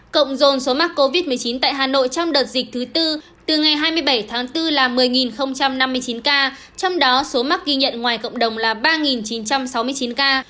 cộng dồn số mắc covid một mươi chín tại hà nội trong đợt dịch thứ tư từ ngày hai mươi bảy tháng bốn là một mươi năm mươi chín ca trong đó số mắc ghi nhận ngoài cộng đồng là ba chín trăm sáu mươi chín ca